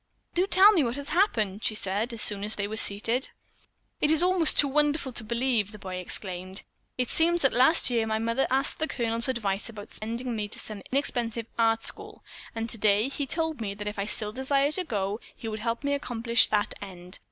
"Do tell me what has happened," she said as soon as they were seated. "It's almost too wonderful to believe," the boy exclaimed. "It seems that last year my mother asked the Colonel's advice about sending me to some inexpensive art school, and today he told me that if I still desired to go, he would help me accomplish that end.